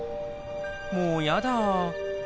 「もうやだあ！」